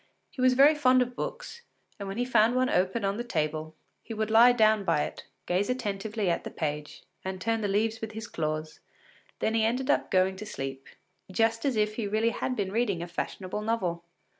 He was very fond of books, and when he found one open on the table, he would lie down by it, gaze attentively at the page and turn the leaves with his claws; then he ended by going to sleep, just as if he had really been reading a fashionable novel.